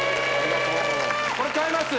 これ買います